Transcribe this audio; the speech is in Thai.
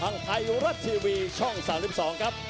ทางไทยรัฐทีวีช่อง๓๒ครับ